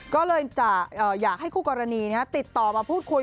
ก็เลยจะอยากให้คู่กรณีติดต่อมาพูดคุย